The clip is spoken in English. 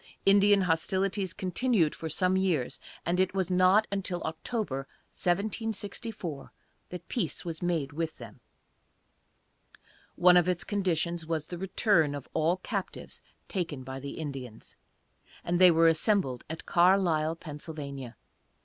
Indian hostilities continued for some years, and it was not until October, 1764, that peace was made with them. One of its conditions was the return of all captives taken by the Indians, and they were assembled at Carlisle, Pa.